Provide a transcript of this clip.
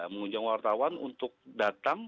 mengundang wartawan untuk datang